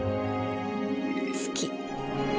好き。